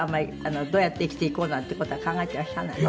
どうやって生きていこうなんて事は考えてらっしゃらないの？